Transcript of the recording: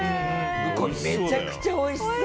これめちゃくちゃ美味しそう。